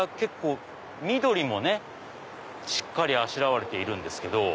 緑もねしっかりあしらわれているんですけど。